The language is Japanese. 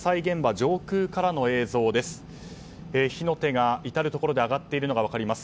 上空からの映像です。